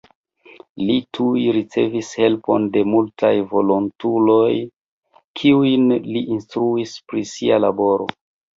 Li tuj ricevis helpon de multaj volontuloj kiujn li instruis pri sia laboro.